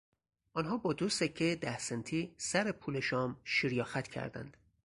آنها با دو سکهی ده سنتی سر پول شام شیر یا خط کردند.